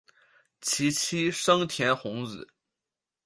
其妻笙田弘子。